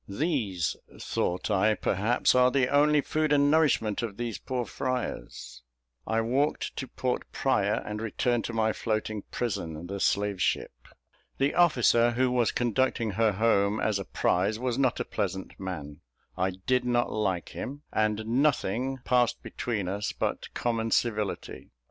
"These," thought I, "perhaps are the only food and nourishment of these poor friars." I walked to Port Praya, and returned to my floating prison, the slave ship. The officer who was conducting her home, as a prize, was not a pleasant man; I did not like him: and nothing passed between us but common civility.